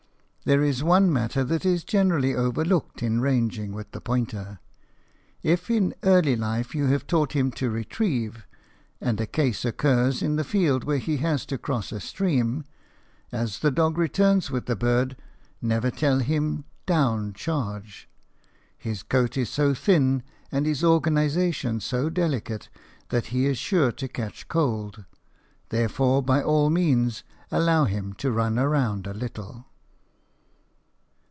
There is one matter that is generally overlooked in ranging with the pointer. If in early life you have taught him to retrieve, and a case occurs in the field where he has to cross a stream, as the dog returns with the bird, never tell him "down charge." His coat is so thin and his organization so delicate that he is sure to catch cold; therefore, by all means, allow him to run around a little.